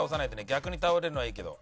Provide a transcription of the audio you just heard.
逆に倒れるのはいいけど。